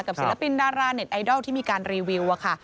กับศิลปินดรนทไอดอลที่มีการรีวิวค่ะ